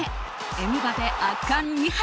エムバペ、圧巻２発！